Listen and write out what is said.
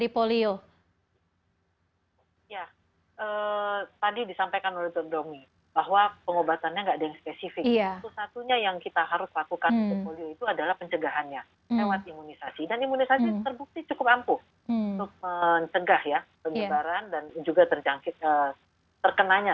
penyebaran dan juga terkenanya